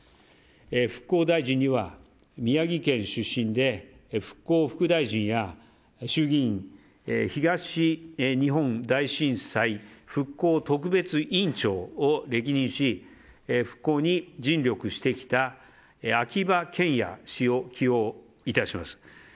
復興大臣には宮城県出身で復興副大臣や衆議院東日本大震災復興特別委員長を歴任し復興に尽力してきた秋葉賢也氏を起用いたします。